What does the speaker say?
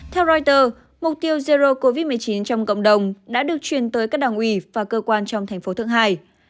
theo reuters mục tiêu zero covid một mươi chín trong cộng đồng đã được truyền tới các đảng ủy và cơ quan trong thành phố thượng hải